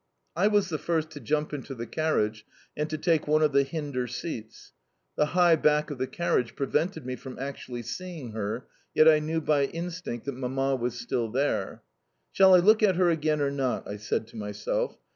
I was the first to jump into the carriage and to take one of the hinder seats. The high back of the carriage prevented me from actually seeing her, yet I knew by instinct that Mamma was still there. "Shall I look at her again or not?" I said to myself.